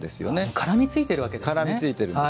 絡みついているんです。